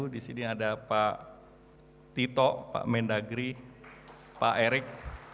di sini ada pak tito pak mendagri pak erik